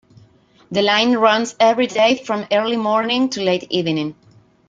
The line runs every day from early morning to late evening.